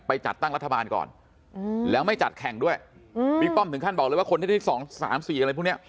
จัดตั้งรัฐบาลก่อนแล้วไม่จัดแข่งด้วยบิ๊กป้อมถึงขั้นบอกเลยว่าคนที่ได้๒๓๔อะไรพวกนี้